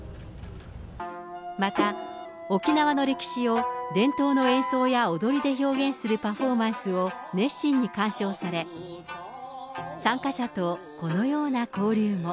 また、沖縄の歴史を伝統の演奏や踊りで表現するパフォーマンスを熱心に鑑賞され、参加者とこのような交流も。